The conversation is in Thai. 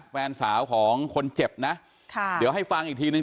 แฟนสาวของคนเจ็บนะค่ะเดี๋ยวให้ฟังอีกทีนึง